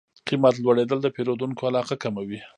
قیمت لوړېدل د پیرودونکو علاقه کموي.